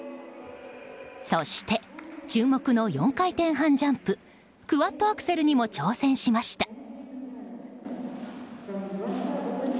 そして注目の４回転半ジャンプクワッドアクセルにも挑戦しました。